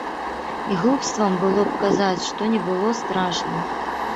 І глупствам было б казаць, што не было страшна.